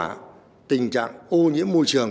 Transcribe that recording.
chưa có tình trạng ô nhiễm môi trường